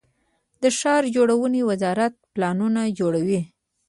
د ښار جوړونې وزارت پلانونه جوړوي